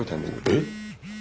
えっ！？